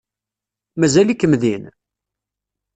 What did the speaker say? Mazal-ikem din?